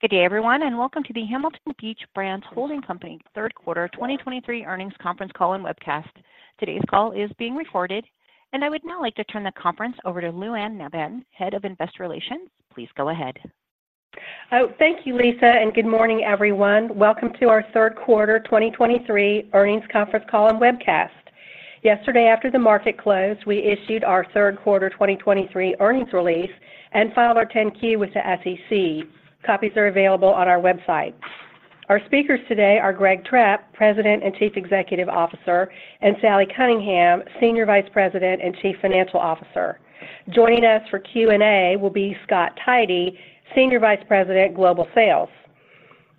Good day, everyone, and welcome to the Hamilton Beach Brands Holding Company third quarter 2023 earnings conference call and webcast. Today's call is being recorded, and I would now like to turn the conference over to Lou Anne Nabhan, Head of Investor Relations. Please go ahead. Oh, thank you, Lisa, and good morning, everyone. Welcome to our third quarter 2023 earnings conference call and webcast. Yesterday, after the market closed, we issued our third quarter 2023 earnings release and filed our 10-Q with the SEC. Copies are available on our website. Our speakers today are Greg Trepp, President and Chief Executive Officer, and Sally Cunningham, Senior Vice President and Chief Financial Officer. Joining us for Q&A will be Scott Tidey, Senior Vice President, Global Sales.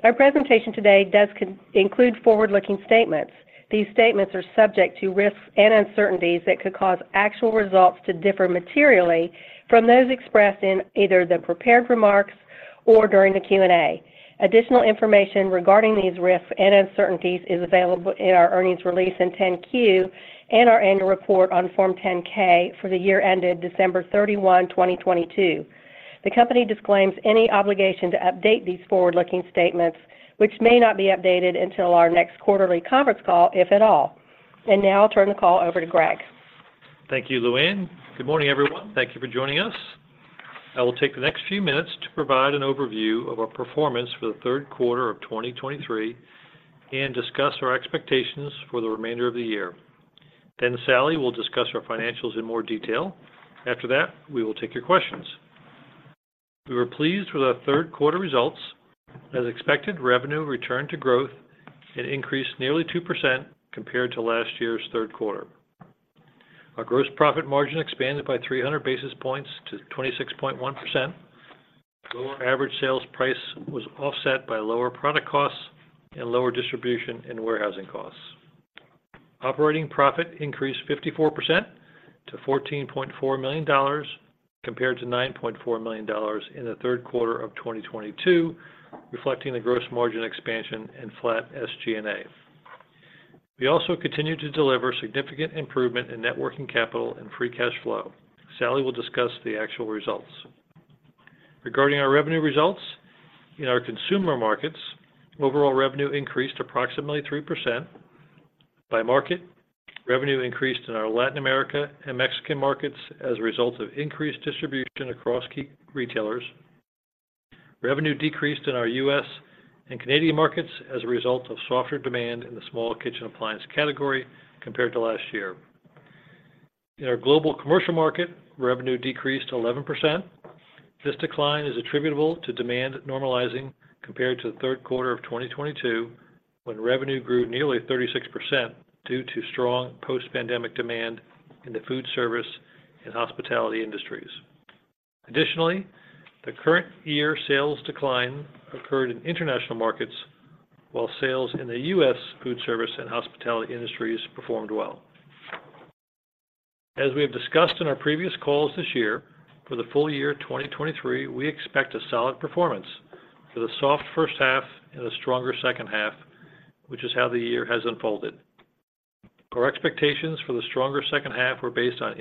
Our presentation today does include forward-looking statements. These statements are subject to risks and uncertainties that could cause actual results to differ materially from those expressed in either the prepared remarks or during the Q&A. Additional information regarding these risks and uncertainties is available in our earnings release in 10-Q and our annual report on Form 10-K for the year ended December 31, 2022. The company disclaims any obligation to update these forward-looking statements, which may not be updated until our next quarterly conference call, if at all. Now I'll turn the call over to Greg. Thank you, Lou Anne. Good morning, everyone. Thank you for joining us. I will take the next few minutes to provide an overview of our performance for the third quarter of 2023 and discuss our expectations for the remainder of the year. Then Sally will discuss our financials in more detail. After that, we will take your questions. We were pleased with our third quarter results. As expected, revenue returned to growth and increased nearly two% compared to last year's third quarter. Our gross profit margin expanded by 300 basis points to 26.1%. Lower average sales price was offset by lower product costs and lower distribution and warehousing costs. Operating profit increased 54% to $14.4 million, compared to $nine.four million in the third quarter of 2022, reflecting the gross margin expansion and flat SG&A. We also continued to deliver significant improvement in net working capital and free cash flow. Sally will discuss the actual results. Regarding our revenue results, in our consumer markets, overall revenue increased approximately 3%. By market, revenue increased in our Latin America and Mexican markets as a result of increased distribution across key retailers. Revenue decreased in our U.S. and Canadian markets as a result of softer demand in the small kitchen appliance category compared to last year. In our global commercial market, revenue decreased 11%. This decline is attributable to demand normalizing compared to the third quarter of 2022, when revenue grew nearly 36% due to strong post-pandemic demand in the food service and hospitality industries. Additionally, the current year sales decline occurred in international markets, while sales in the U.S. food service and hospitality industries performed well. As we have discussed in our previous calls this year, for the full year 2023, we expect a solid performance with a soft first half and a stronger second half, which is how the year has unfolded. Our expectations for the stronger second half were based on an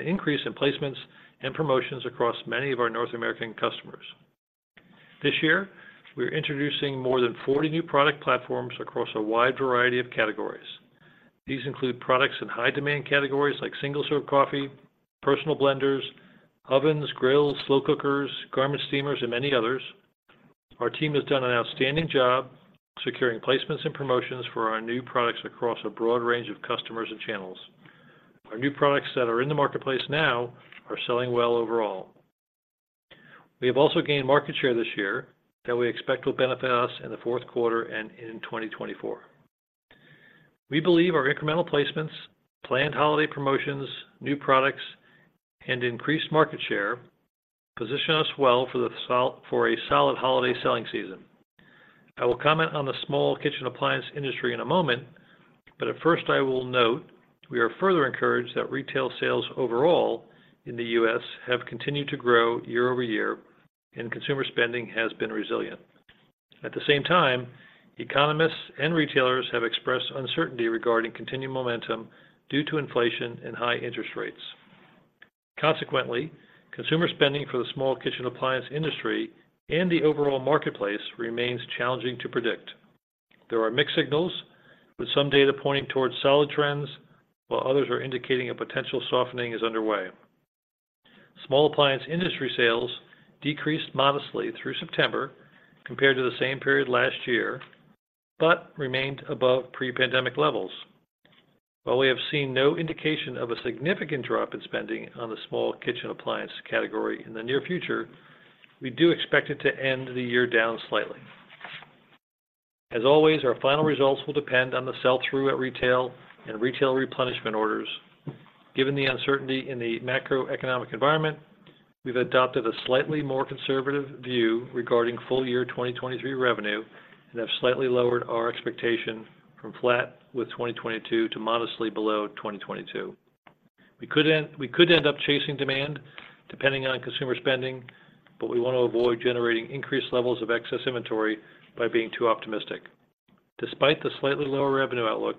increase in placements and promotions across many of our North American customers. This year, we are introducing more than 40 new product platforms across a wide variety of categories. These include products in high demand categories like single-serve coffee, personal blenders, ovens, grills, slow cookers, garment steamers, and many others. Our team has done an outstanding job securing placements and promotions for our new products across a broad range of customers and channels. Our new products that are in the marketplace now are selling well overall. We have also gained market share this year that we expect will benefit us in the fourth quarter and in 2024. We believe our incremental placements, planned holiday promotions, new products, and increased market share position us well for a solid holiday selling season. I will comment on the small kitchen appliance industry in a moment, but at first I will note we are further encouraged that retail sales overall in the U.S. have continued to grow year-over-year and consumer spending has been resilient. At the same time, economists and retailers have expressed uncertainty regarding continued momentum due to inflation and high interest rates. Consequently, consumer spending for the small kitchen appliance industry and the overall marketplace remains challenging to predict. There are mixed signals, with some data pointing towards solid trends, while others are indicating a potential softening is underway. Small appliance industry sales decreased modestly through September compared to the same period last year, but remained above pre-pandemic levels. While we have seen no indication of a significant drop in spending on the small kitchen appliance category in the near future, we do expect it to end the year down slightly. As always, our final results will depend on the sell-through at retail and retail replenishment orders. Given the uncertainty in the macroeconomic environment, we've adopted a slightly more conservative view regarding full year 2023 revenue and have slightly lowered our expectation from flat with 2022 to modestly below 2022. We could end up chasing demand depending on consumer spending, but we want to avoid generating increased levels of excess inventory by being too optimistic.... Despite the slightly lower revenue outlook,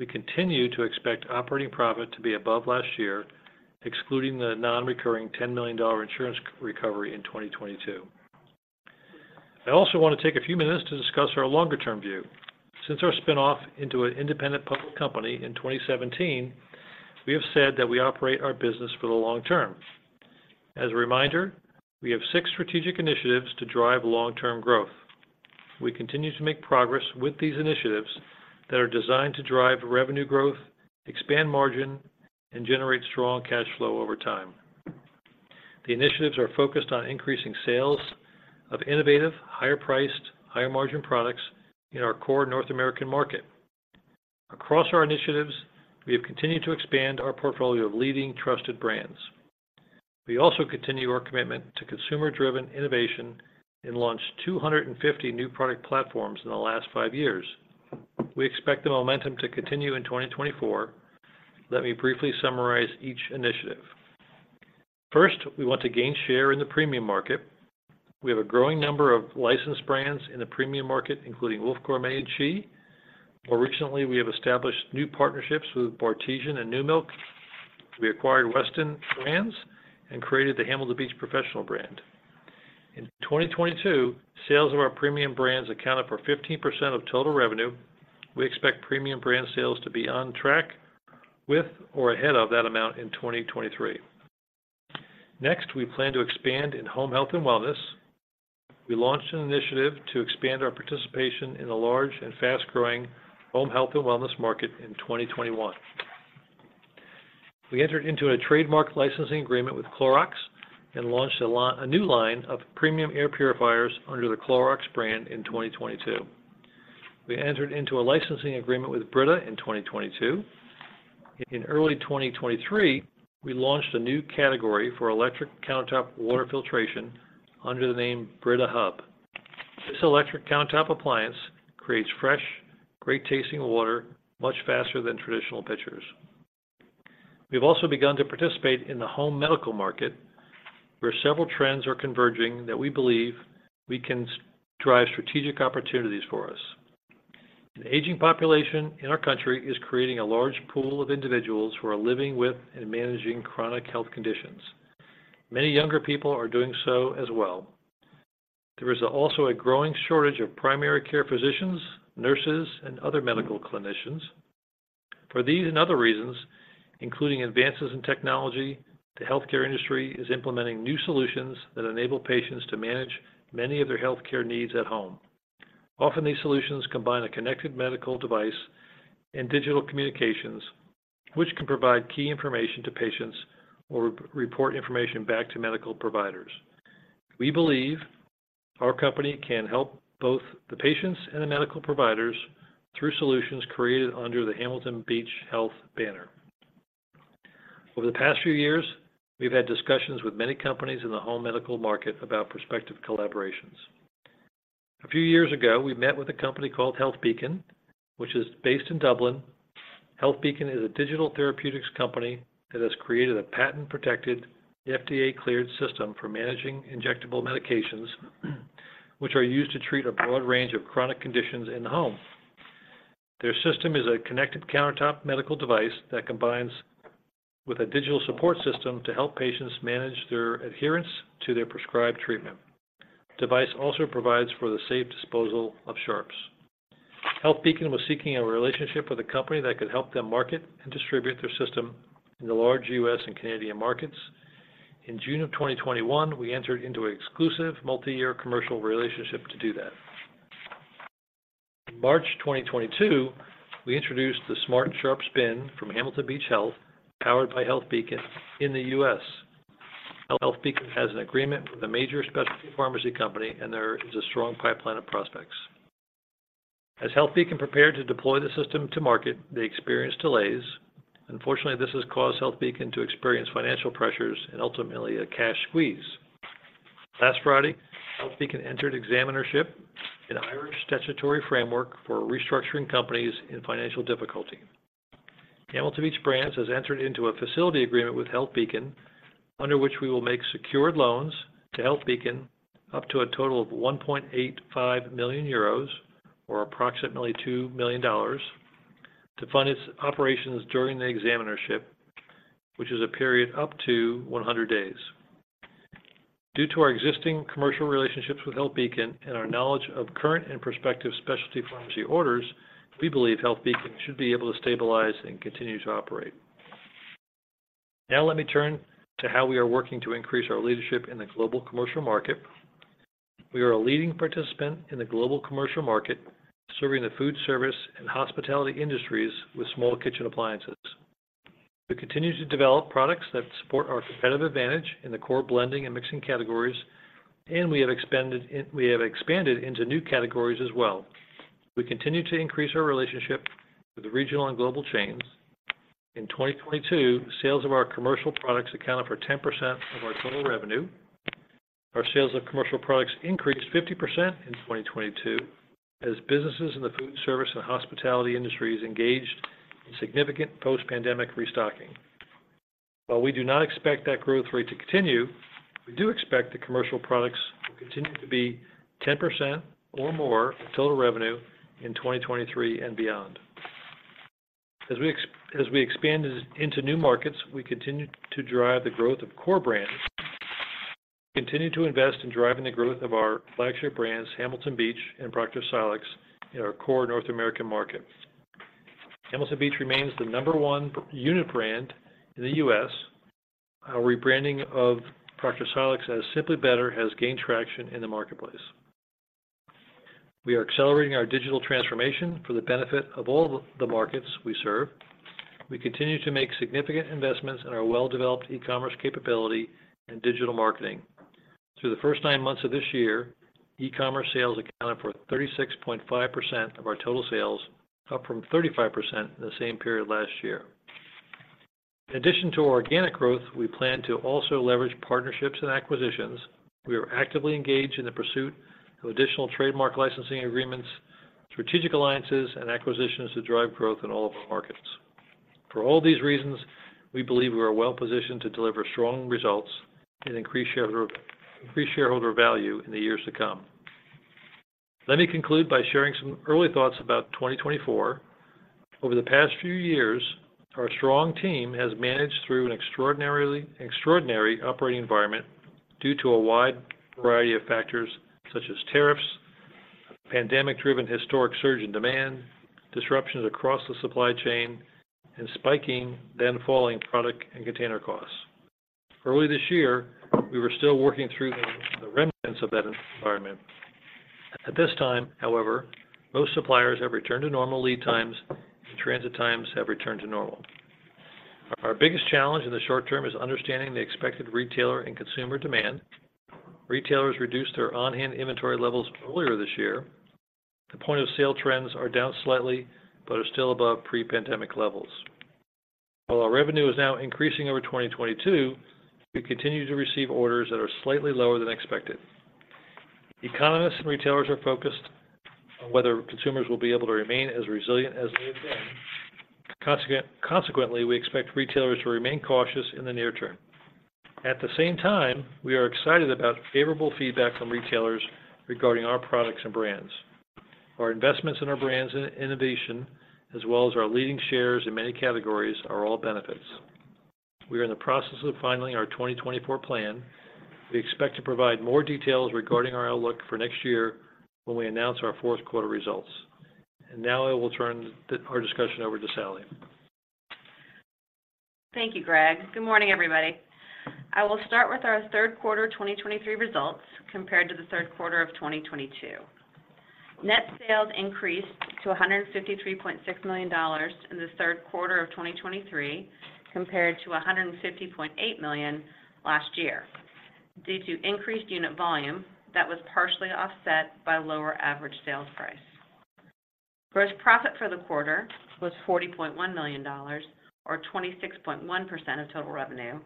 we continue to expect operating profit to be above last year, excluding the non-recurring $10 million insurance recovery in 2022. I also want to take a few minutes to discuss our longer-term view. Since our spin-off into an independent public company in 2017, we have said that we operate our business for the long term. As a reminder, we have six strategic initiatives to drive long-term growth. We continue to make progress with these initiatives that are designed to drive revenue growth, expand margin, and generate strong cash flow over time. The initiatives are focused on increasing sales of innovative, higher-priced, higher-margin products in our core North American market. Across our initiatives, we have continued to expand our portfolio of leading trusted brands. We also continue our commitment to consumer-driven innovation and launched 250 new product platforms in the last five years. We expect the momentum to continue in 2024. Let me briefly summarize each initiative. First, we want to gain share in the premium market. We have a growing number of licensed brands in the premium market, including Wolf Gourmet and CHI. More recently, we have established new partnerships with Bartesian and Numilk. We acquired Weston Brands and created the Hamilton Beach Professional brand. In 2022, sales of our premium brands accounted for 15% of total revenue. We expect premium brand sales to be on track with or ahead of that amount in 2023. Next, we plan to expand in home health and wellness. We launched an initiative to expand our participation in the large and fast-growing home health and wellness market in 2021. We entered into a trademark licensing agreement with Clorox and launched a new line of premium air purifiers under the Clorox brand in 2022. We entered into a licensing agreement with Brita in 2022. In early 2023, we launched a new category for electric countertop water filtration under the name Brita Hub. This electric countertop appliance creates fresh, great-tasting water, much faster than traditional pitchers. We've also begun to participate in the home medical market, where several trends are converging that we believe we can drive strategic opportunities for us. An aging population in our country is creating a large pool of individuals who are living with and managing chronic health conditions. Many younger people are doing so as well. There is also a growing shortage of primary care physicians, nurses, and other medical clinicians. For these and other reasons, including advances in technology, the healthcare industry is implementing new solutions that enable patients to manage many of their healthcare needs at home. Often, these solutions combine a connected medical device and digital communications, which can provide key information to patients or report information back to medical providers. We believe our company can help both the patients and the medical providers through solutions created under the Hamilton Beach Health banner. Over the past few years, we've had discussions with many companies in the home medical market about prospective collaborations. A few years ago, we met with a company called HealthBeacon, which is based in Dublin. HealthBeacon is a digital therapeutics company that has created a patent-protected, FDA-cleared system for managing injectable medications, which are used to treat a broad range of chronic conditions in the home. Their system is a connected countertop medical device that combines with a digital support system to help patients manage their adherence to their prescribed treatment. Device also provides for the safe disposal of sharps. HealthBeacon was seeking a relationship with a company that could help them market and distribute their system in the large U.S. and Canadian markets. In June 2021, we entered into an exclusive multi-year commercial relationship to do that. In March 2022, we introduced the Smart Sharps Bin from Hamilton Beach Health, powered by HealthBeacon in the U.S. HealthBeacon has an agreement with a major specialty pharmacy company, and there is a strong pipeline of prospects. As HealthBeacon prepared to deploy the system to market, they experienced delays. Unfortunately, this has caused HealthBeacon to experience financial pressures and ultimately a cash squeeze. Last Friday, HealthBeacon entered examinership, an Irish statutory framework for restructuring companies in financial difficulty. Hamilton Beach Brands has entered into a facility agreement with HealthBeacon, under which we will make secured loans to HealthBeacon up to a total of 1.85 million euros, or approximately $2 million, to fund its operations during the examinership, which is a period up to 100 days. Due to our existing commercial relationships with HealthBeacon and our knowledge of current and prospective specialty pharmacy orders, we believe HealthBeacon should be able to stabilize and continue to operate. Now let me turn to how we are working to increase our leadership in the global commercial market. We are a leading participant in the global commercial market, serving the food service and hospitality industries with small kitchen appliances. We continue to develop products that support our competitive advantage in the core blending and mixing categories, and we have expanded into new categories as well. We continue to increase our relationship with the regional and global chains. In 2022, sales of our commercial products accounted for 10% of our total revenue. Our sales of commercial products increased 50% in 2022, as businesses in the food service and hospitality industries engaged in significant post-pandemic restocking. While we do not expect that growth rate to continue, we do expect the commercial products will continue to be 10% or more of total revenue in 2023 and beyond. As we expand into new markets, we continue to drive the growth of core brands. We continue to invest in driving the growth of our flagship brands, Hamilton Beach and Proctor Silex, in our core North American market. Hamilton Beach remains the number one unit brand in the U.S. Our rebranding of Proctor Silex as Simply Better has gained traction in the marketplace. We are accelerating our digital transformation for the benefit of all the markets we serve. We continue to make significant investments in our well-developed e-commerce capability and digital marketing. Through the first nine months of this year, e-commerce sales accounted for 36.5% of our total sales, up from 35% in the same period last year. In addition to organic growth, we plan to also leverage partnerships and acquisitions. We are actively engaged in the pursuit of additional trademark licensing agreements, strategic alliances, and acquisitions to drive growth in all of our markets. For all these reasons, we believe we are well positioned to deliver strong results and increase shareholder value in the years to come. Let me conclude by sharing some early thoughts about 2024. Over the past few years, our strong team has managed through an extraordinary operating environment due to a wide variety of factors, such as tariffs, pandemic-driven historic surge in demand, disruptions across the supply chain, and spiking, then falling product and container costs. Early this year, we were still working through the remnants of that environment. At this time, however, most suppliers have returned to normal lead times, and transit times have returned to normal. Our biggest challenge in the short term is understanding the expected retailer and consumer demand. Retailers reduced their on-hand inventory levels earlier this year. The point-of-sale trends are down slightly, but are still above pre-pandemic levels. While our revenue is now increasing over 2022, we continue to receive orders that are slightly lower than expected. Economists and retailers are focused on whether consumers will be able to remain as resilient as they have been. Consequently, we expect retailers to remain cautious in the near term. At the same time, we are excited about favorable feedback from retailers regarding our products and brands. Our investments in our brands and innovation, as well as our leading shares in many categories, are all benefits. We are in the process of filing our 2024 plan. We expect to provide more details regarding our outlook for next year when we announce our fourth quarter results. And now I will turn our discussion over to Sally. Thank you, Greg. Good morning, everybody. I will start with our third quarter 2023 results compared to the third quarter of 2022. Net sales increased to $153.6 million in the third quarter of 2023, compared to $150.8 million last year, due to increased unit volume that was partially offset by lower average sales price. Gross profit for the quarter was $40.1 million, or 26.1% of total revenue,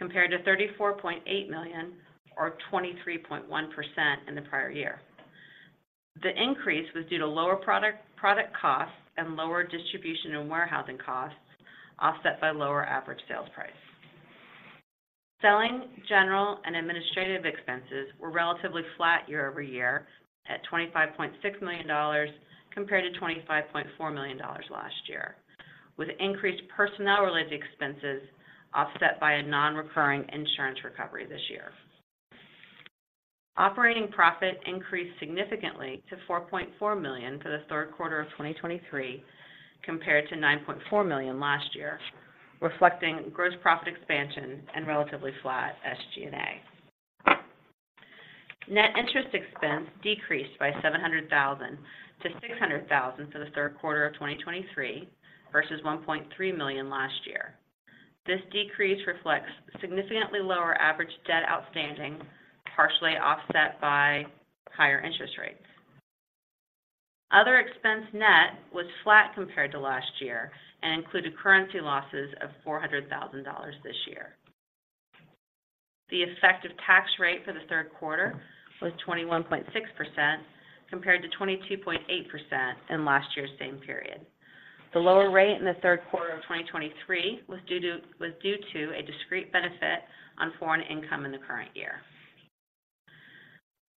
compared to $34.8 million or 23.1% in the prior year. The increase was due to lower product costs and lower distribution and warehousing costs, offset by lower average sales price. Selling, general, and administrative expenses were relatively flat year-over-year, at $25.6 million compared to $25.4 million last year, with increased personnel-related expenses offset by a non-recurring insurance recovery this year. Operating profit increased significantly to $4.4 million for the third quarter of 2023, compared to $9.4 million last year, reflecting gross profit expansion and relatively flat SG&A. Net interest expense decreased by $700 thousand to $600 thousand for the third quarter of 2023 versus $1.3 million last year. This decrease reflects significantly lower average debt outstanding, partially offset by higher interest rates. Other expense net was flat compared to last year and included currency losses of $400 thousand this year. The effective tax rate for the third quarter was 21.6%, compared to 22.8% in last year's same period. The lower rate in the third quarter of 2023 was due to a discrete benefit on foreign income in the current year.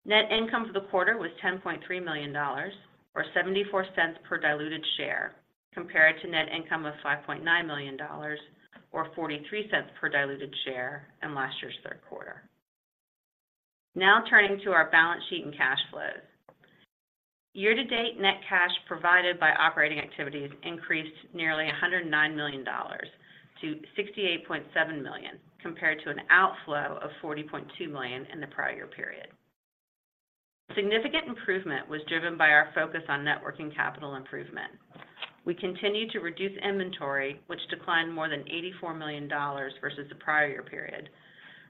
Net income for the quarter was $10.3 million, or $0.74 per diluted share, compared to net income of $5.9 million or $0.43 per diluted share in last year's third quarter. Now turning to our balance sheet and cash flows. Year to date, net cash provided by operating activities increased nearly $109 million to $68.7 million, compared to an outflow of $40.2 million in the prior year period. Significant improvement was driven by our focus on net working capital improvement. We continued to reduce inventory, which declined more than $84 million versus the prior year period,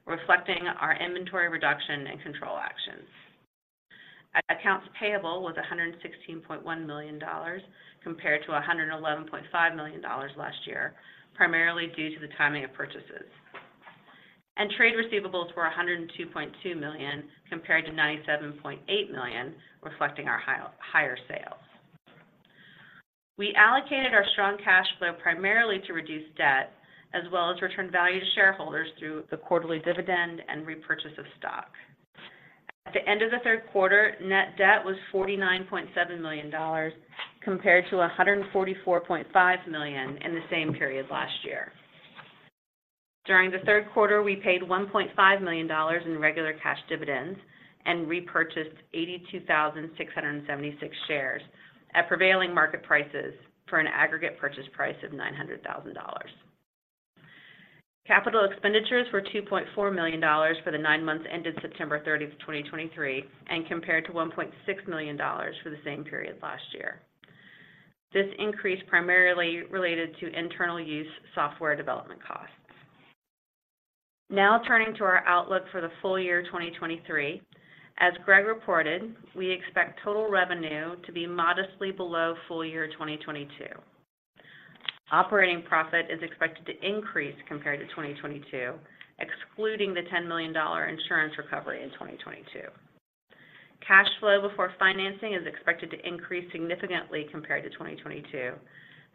reflecting our inventory reduction and control actions. Accounts payable was $116.1 million compared to $111.5 million last year, primarily due to the timing of purchases. And trade receivables were $102.2 million, compared to $97.8 million, reflecting our higher, higher sales.... We allocated our strong cash flow primarily to reduce debt, as well as return value to shareholders through the quarterly dividend and repurchase of stock. At the end of the third quarter, net debt was $49.7 million, compared to $144.5 million in the same period last year. During the third quarter, we paid $1.5 million in regular cash dividends and repurchased 82,676 shares at prevailing market prices for an aggregate purchase price of $900,000. Capital expenditures were $2.4 million for the nine months ended September 30, 2023, and compared to $1.6 million for the same period last year. This increase primarily related to internal use software development costs. Now, turning to our outlook for the full year, 2023. As Greg reported, we expect total revenue to be modestly below full year 2022. Operating profit is expected to increase compared to 2022, excluding the $10 million insurance recovery in 2022. Cash flow before financing is expected to increase significantly compared to 2022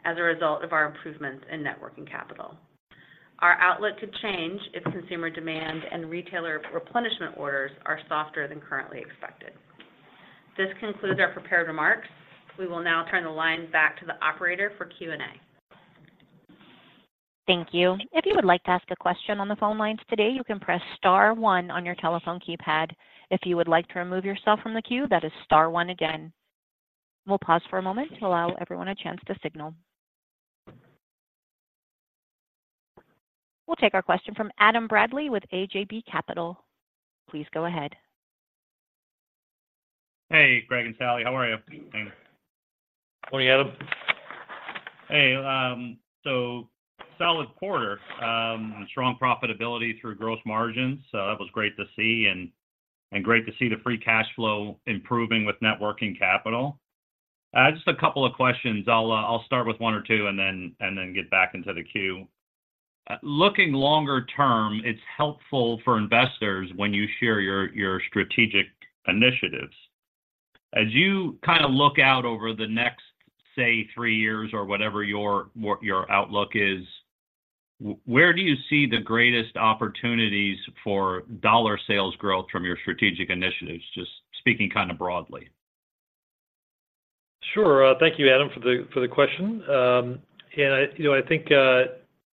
as a result of our improvements in net working capital. Our outlook could change if consumer demand and retailer replenishment orders are softer than currently expected. This concludes our prepared remarks. We will now turn the line back to the operator for Q&A. Thank you. If you would like to ask a question on the phone lines today, you can press star one on your telephone keypad. If you would like to remove yourself from the queue, that is star one again. We'll pause for a moment to allow everyone a chance to signal. We'll take our question from Adam Bradley with AJB Capital. Please go ahead. Hey, Greg and Sally, how are you? Morning, Adam. Hey, so solid quarter, strong profitability through gross margins. So that was great to see and great to see the free cash flow improving with net working capital. Just a couple of questions. I'll start with one or two and then get back into the queue. Looking longer term, it's helpful for investors when you share your strategic initiatives. As you kind of look out over the next, say, three years or whatever your outlook is, where do you see the greatest opportunities for dollar sales growth from your strategic initiatives? Just speaking kind of broadly. Sure. Thank you, Adam, for the question. And you know, I think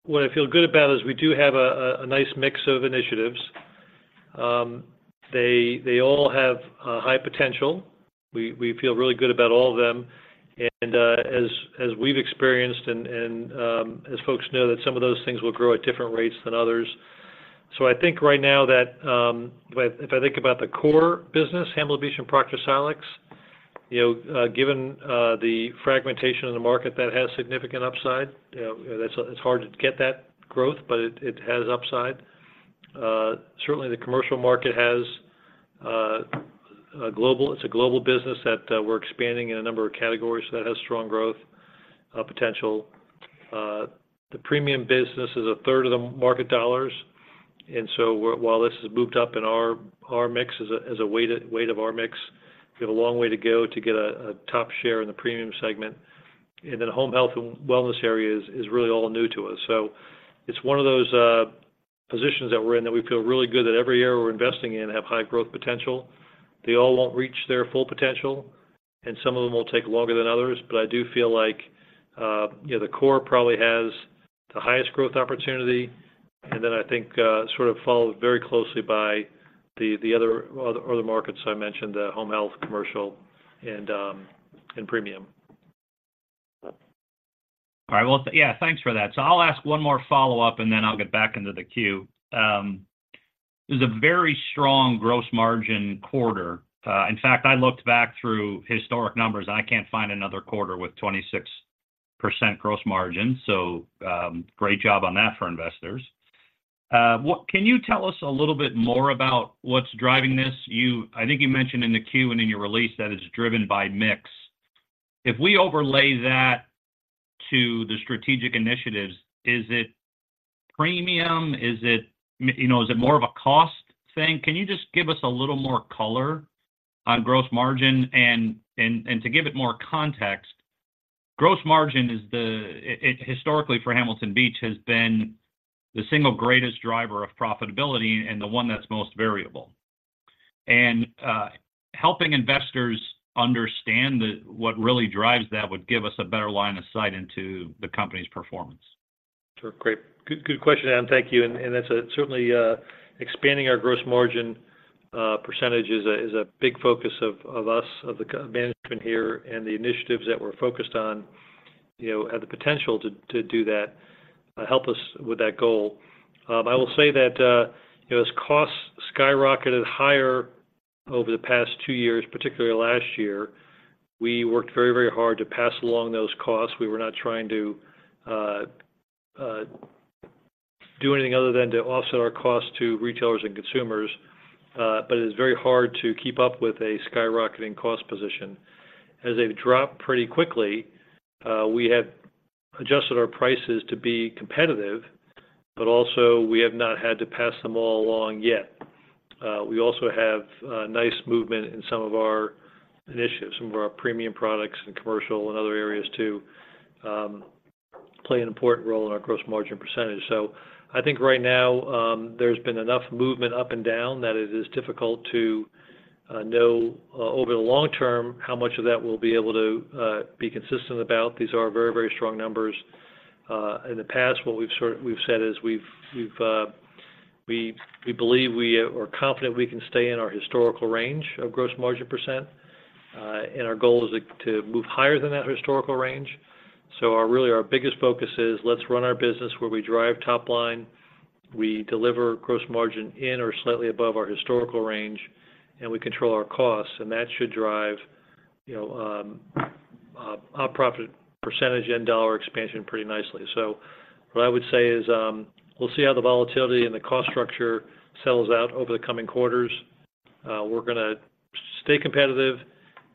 what I feel good about is we do have a nice mix of initiatives. They all have high potential. We feel really good about all of them. And as we've experienced and as folks know, some of those things will grow at different rates than others. So I think right now that if I think about the core business, Hamilton Beach and Proctor Silex, you know, given the fragmentation in the market, that has significant upside. That's. It's hard to get that growth, but it has upside. Certainly the commercial market has a global. It's a global business that we're expanding in a number of categories that has strong growth potential. The premium business is a third of the market dollars, and so while this has moved up in our mix, as a weight of our mix, we have a long way to go to get a top share in the premium segment. And then the home health and wellness area is really all new to us. So it's one of those positions that we're in, that we feel really good that every year we're investing in, have high growth potential. They all won't reach their full potential, and some of them will take longer than others. But I do feel like, you know, the core probably has the highest growth opportunity, and then I think sort of followed very closely by the other markets I mentioned, the home health, commercial, and premium. All right. Well, yeah, thanks for that. So I'll ask one more follow-up, and then I'll get back into the queue. It was a very strong gross margin quarter. In fact, I looked back through historic numbers, and I can't find another quarter with 26% gross margin, so great job on that for investors. What can you tell us a little bit more about what's driving this? I think you mentioned in the queue and in your release that it's driven by mix. If we overlay that to the strategic initiatives, is it premium? Is it, you know, is it more of a cost thing? Can you just give us a little more color on gross margin? And to give it more context, gross margin is the... Historically, for Hamilton Beach, has been the single greatest driver of profitability and the one that's most variable. Helping investors understand what really drives that would give us a better line of sight into the company's performance. Sure. Great. Good, good question, Adam. Thank you. And that's certainly expanding our gross margin percentage is a big focus of us, of the company management here. And the initiatives that we're focused on, you know, have the potential to do that, help us with that goal. I will say that, you know, as costs skyrocketed higher over the past two years, particularly last year, we worked very, very hard to pass along those costs. We were not trying to do anything other than to offset our costs to retailers and consumers, but it is very hard to keep up with a skyrocketing cost position. As they've dropped pretty quickly, we have adjusted our prices to be competitive, but also we have not had to pass them all along yet. We also have nice movement in some of our initiatives, some of our premium products in commercial and other areas too, play an important role in our gross margin percentage. So I think right now, there's been enough movement up and down that it is difficult to know over the long term, how much of that we'll be able to be consistent about. These are very, very strong numbers. In the past, what we've said is we believe we are confident we can stay in our historical range of gross margin %, and our goal is to move higher than that historical range. So our really biggest focus is let's run our business where we drive top line, we deliver gross margin in or slightly above our historical range, and we control our costs, and that should drive, you know, our profit percentage and dollar expansion pretty nicely. So what I would say is, we'll see how the volatility and the cost structure settles out over the coming quarters. We're going to stay competitive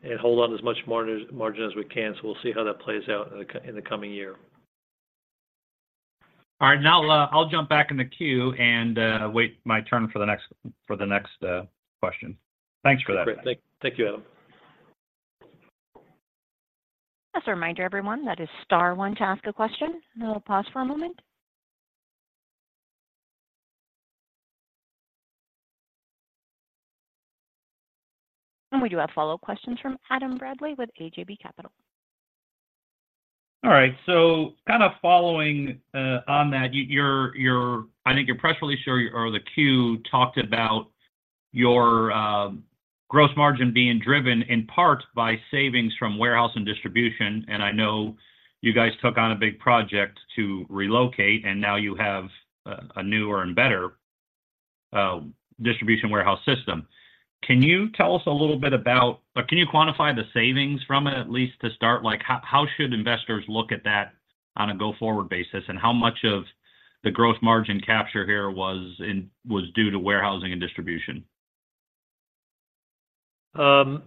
and hold on to as much margin as we can. So we'll see how that plays out in the coming year. All right. Now, I'll jump back in the queue and wait my turn for the next question. Thanks for that. Great. Thank you, Adam. Just a reminder, everyone, that is star one to ask a question. I'll pause for a moment. We do have follow questions from Adam Bradley with AJB Capital. All right. So kind of following on that, your, your—I think your press release or your, or the Q talked about your gross margin being driven in part by savings from warehouse and distribution, and I know you guys took on a big project to relocate, and now you have a newer and better distribution warehouse system. Can you tell us a little bit about... Or can you quantify the savings from it, at least to start? Like, how should investors look at that on a go-forward basis, and how much of the growth margin capture here was due to warehousing and distribution? You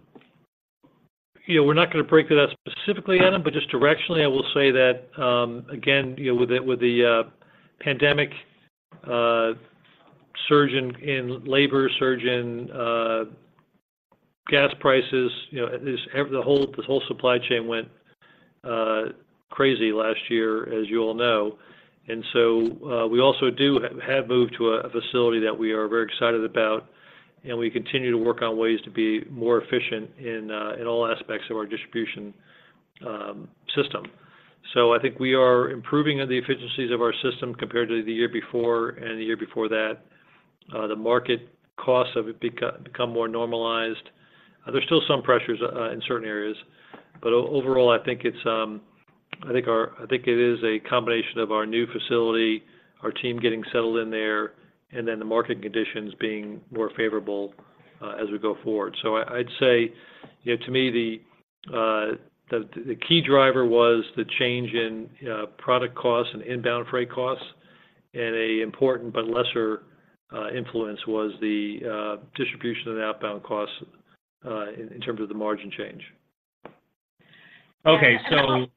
know, we're not going to break it out specifically, Adam, but just directionally, I will say that, again, you know, with the pandemic, surge in labor, surge in gas prices, you know, this whole supply chain went crazy last year, as you all know. And so, we also have moved to a facility that we are very excited about, and we continue to work on ways to be more efficient in all aspects of our distribution system. So I think we are improving the efficiencies of our system compared to the year before and the year before that. The market costs have become more normalized. There's still some pressures in certain areas, but overall, I think it's, I think it is a combination of our new facility, our team getting settled in there, and then the market conditions being more favorable, as we go forward. So I'd say, you know, to me, the key driver was the change in product costs and inbound freight costs, and an important but lesser influence was the distribution of the outbound costs, in terms of the margin change. Okay. So- Yeah, and I-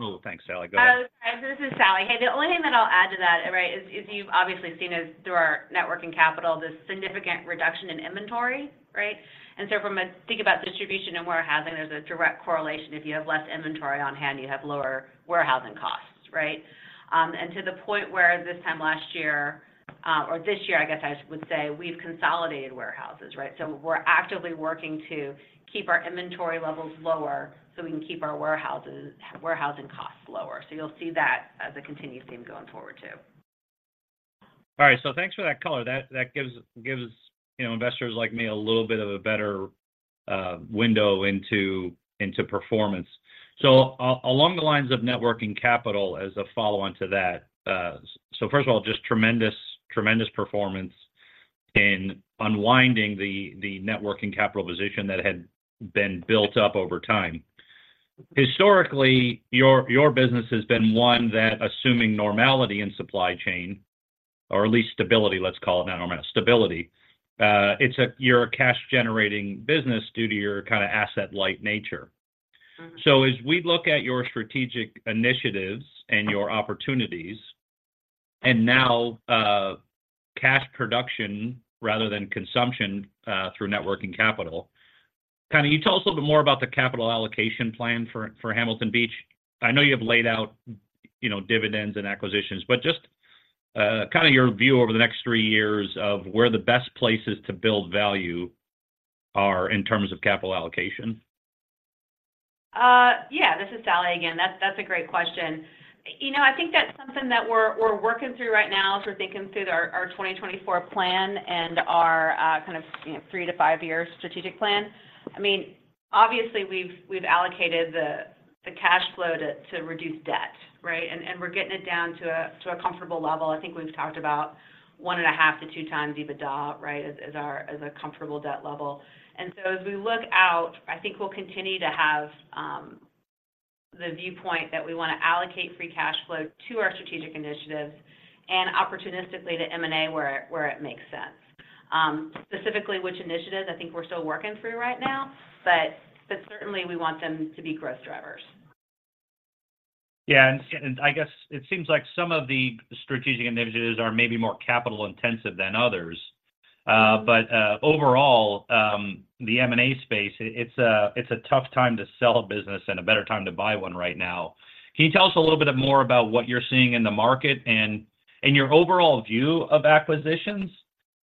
Oh, thanks, Sally. Go ahead. This is Sally. Hey, the only thing that I'll add to that, right, is you've obviously seen, as through our net working capital, this significant reduction in inventory, right? And so, think about distribution and warehousing, there's a direct correlation. If you have less inventory on hand, you have lower warehousing costs, right? And to the point where this time last year, or this year, I guess, I would say, we've consolidated warehouses, right? So we're actively working to keep our inventory levels lower, so we can keep our warehousing costs lower. So you'll see that as a continuous theme going forward, too. All right. So thanks for that color. That gives, you know, investors like me a little bit of a better window into performance. So along the lines of net working capital as a follow-on to that. So first of all, just tremendous performance in unwinding the net working capital position that had been built up over time. Historically, your business has been one that, assuming normality in supply chain, or at least stability, let's call it that, I don't know, stability, you're a cash-generating business due to your kind of asset-light nature. Mm-hmm. So as we look at your strategic initiatives and your opportunities, and now, cash production rather than consumption, through net working capital, can you tell us a little bit more about the capital allocation plan for, for Hamilton Beach? I know you have laid out, you know, dividends and acquisitions, but just, kind of your view over the next three years of where the best places to build value are in terms of capital allocation. Yeah, this is Sally again. That's, that's a great question. You know, I think that's something that we're, we're working through right now as we're thinking through our, our 2024 plan and our, kind of, you know, 3- to 5-year strategic plan. I mean, obviously, we've, we've allocated the, the cash flow to, to reduce debt, right? And, and we're getting it down to a, to a comfortable level. I think we've talked about 1.5- to 2x EBITDA, right, as, as our, as a comfortable debt level. And so as we look out, I think we'll continue to have the viewpoint that we want to allocate free cash flow to our strategic initiatives and opportunistically to M&A where it, where it makes sense. Specifically, which initiatives, I think we're still working through right now, but certainly we want them to be growth drivers.... Yeah, and I guess it seems like some of the strategic initiatives are maybe more capital-intensive than others. But overall, the M&A space, it's a tough time to sell a business and a better time to buy one right now. Can you tell us a little bit more about what you're seeing in the market and your overall view of acquisitions?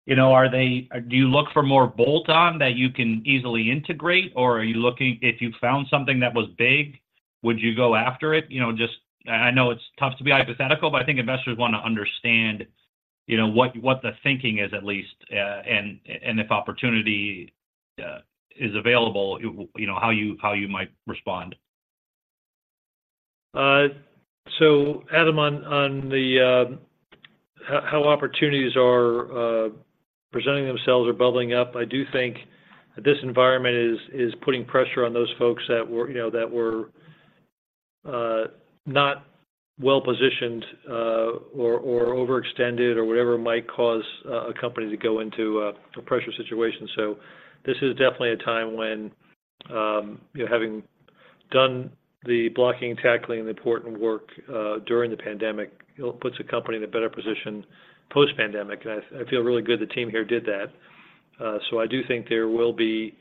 You know, do you look for more bolt-on that you can easily integrate, or are you looking? If you found something that was big, would you go after it? You know, just, I know it's tough to be hypothetical, but I think investors want to understand, you know, what the thinking is at least, and if opportunity is available, you know, how you might respond. So Adam, on the how opportunities are presenting themselves or bubbling up, I do think that this environment is putting pressure on those folks that were, you know, that were not well-positioned or overextended or whatever might cause a company to go into a pressure situation. So this is definitely a time when, you know, having done the blocking and tackling the important work during the pandemic, it puts the company in a better position post-pandemic. And I feel really good the team here did that. So I do think there will be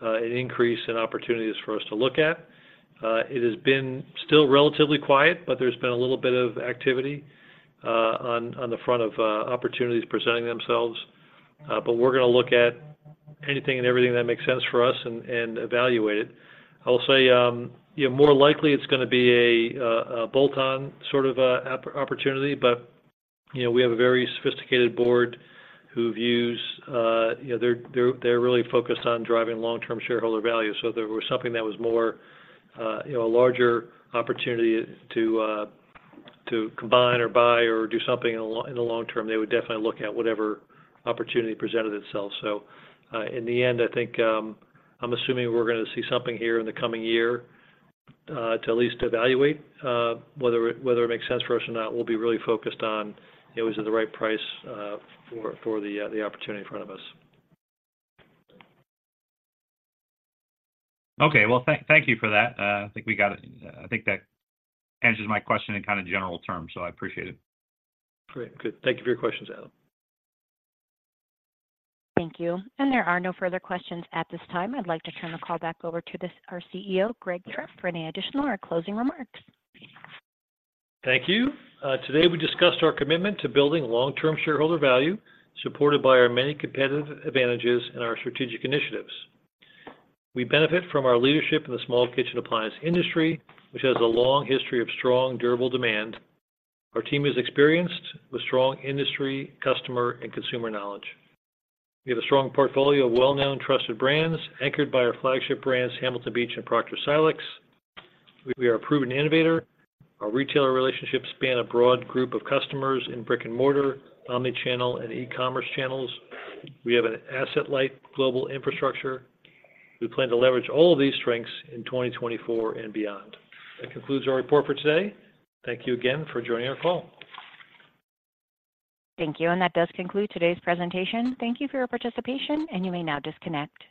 an increase in opportunities for us to look at. It has been still relatively quiet, but there's been a little bit of activity on the front of opportunities presenting themselves. But we're gonna look at anything and everything that makes sense for us and evaluate it. I will say, you know, more likely it's gonna be a bolt-on sort of opportunity, but, you know, we have a very sophisticated board who views. You know, they're really focused on driving long-term shareholder value. So if there was something that was more, you know, a larger opportunity to combine or buy or do something in the long term, they would definitely look at whatever opportunity presented itself. So, in the end, I think, I'm assuming we're gonna see something here in the coming year to at least evaluate whether it makes sense for us or not. We'll be really focused on, is it the right price for the opportunity in front of us. Okay. Well, thank you for that. I think we got it. I think that answers my question in kind of general terms, so I appreciate it. Great. Good. Thank you for your questions, Adam. Thank you. There are no further questions at this time. I'd like to turn the call back over to our CEO, Greg Trepp, for any additional or closing remarks. Thank you. Today, we discussed our commitment to building long-term shareholder value, supported by our many competitive advantages and our strategic initiatives. We benefit from our leadership in the small kitchen appliance industry, which has a long history of strong, durable demand. Our team is experienced with strong industry, customer, and consumer knowledge. We have a strong portfolio of well-known, trusted brands, anchored by our flagship brands, Hamilton Beach and Proctor Silex. We are a proven innovator. Our retailer relationships span a broad group of customers in brick-and-mortar, omni-channel, and e-commerce channels. We have an asset-light global infrastructure. We plan to leverage all of these strengths in 2024 and beyond. That concludes our report for today. Thank you again for joining our call. Thank you, and that does conclude today's presentation. Thank you for your participation, and you may now disconnect.